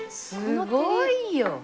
すごいよ。